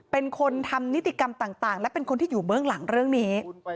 เป็นคนทำนิติกรรมต่างและเป็นคนที่อยู่เบื้องหลังเรื่องนี้